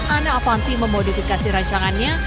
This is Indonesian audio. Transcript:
ana avanti memodifikasi rancangannya